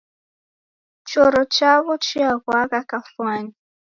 Choro chawo chiaghwagha kafwani.